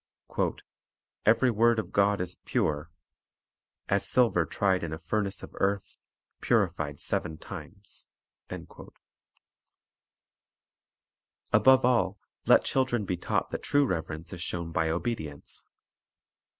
"Every word of God is pure;" "as silver tried in a furnace of earth, purified seven times." 1 Above all, let children be taught that true reverence is shown by obedience.